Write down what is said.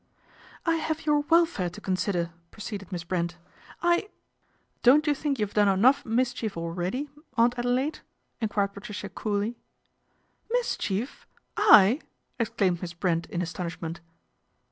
" I have your welfare to consider," proceeded Miss Brent. " I "" Don't you think you've done enough mischief already, Aunt Adelaide ?" enquired Patricia coolly. " Mischief ! I ?" exclaimed Miss Brent in astonishment.